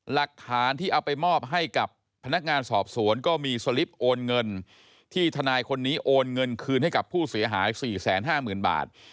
หลักฐานที่เอาไปมอบให้กับพนักงานสอบสวนก็มีสลิปโอนเงินที่ทนายคนนี้โอนเงินคืนให้กับผู้เสียหาย๔๕๐๐๐บาท